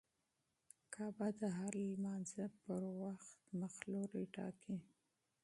کعبه د هر لمونځه پر مهال مخ قبله ټاکي.